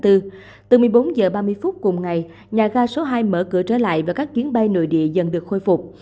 từ một mươi bốn h ba mươi phút cùng ngày nhà ga số hai mở cửa trở lại và các chuyến bay nội địa dần được khôi phục